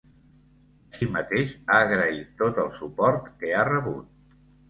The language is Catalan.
Així mateix, ha agraït tot el suport que ha rebut.